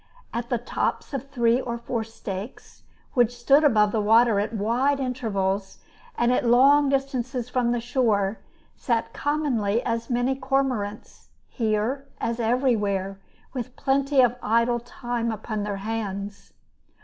At the tops of three or four stakes, which stood above the water at wide intervals, and at long distances from the shore, sat commonly as many cormorants, here, as everywhere, with plenty of idle time upon their hands.